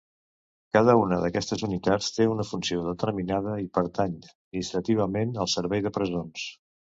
Cada una d'aquestes unitats té una funció determinada i pertany administrativament al servei de presons.